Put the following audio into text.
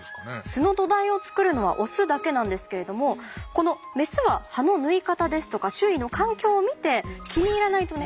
巣の土台を作るのはオスだけなんですけれどもこのメスは葉の縫い方ですとか周囲の環境を見て気に入らないとね